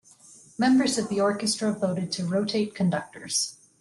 Members of the orchestra voted to rotate conductors.